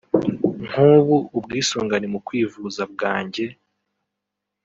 “Nk’ubu ubwisungane mu kwivuza bwanjye